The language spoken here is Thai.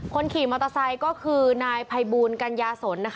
คนขี่มอเตอร์ไซค์ก็คือนายภัยบูลกัญญาสน